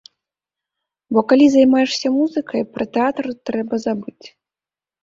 Бо калі займаешся музыкай, пра тэатр трэба забыць.